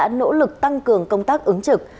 nhưng cả nước đã nỗ lực tăng cường công tác ứng trực